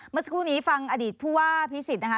เมื่อสักครู่นี้ฟังอดีตผู้ว่าพิสิทธินะคะ